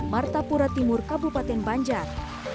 martapura timur kabupaten banjar